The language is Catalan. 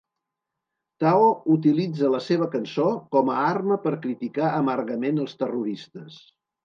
Tao utilitza la seva cançó com a arma per criticar amargament els terroristes.